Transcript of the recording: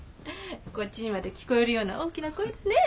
こっちにまで聞こえるような大きな声だねえ